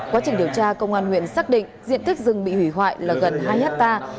quá trình điều tra công an huyện xác định diện tích rừng bị hủy hoại là gần hai hectare